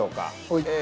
はい。